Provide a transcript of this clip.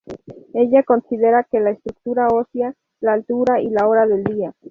Ella considera que la estructura ósea, la altura y la hora del día.